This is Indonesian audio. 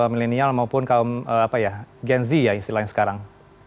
milenial maupun kaum gen z ya istilahnya sekarang